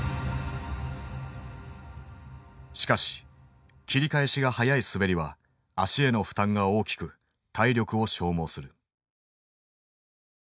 しかし切り返しが速い滑りは足への負担が大きく体力を消耗する。